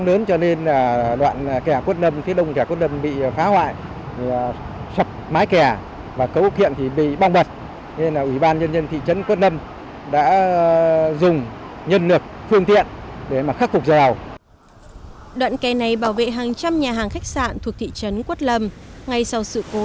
đoạn kè này bảo vệ hàng trăm nhà hàng khách sạn thuộc thị trấn quất lâm ngay sau sự cố